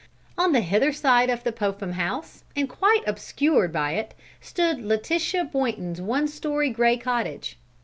On the hither side of the Popham house, and quite obscured by it, stood Letitia Boynton's one story gray cottage.